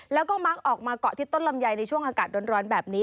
แล้วก็มากอที่ต้นลำไยในช่วงอากาศร้อนแบบนี้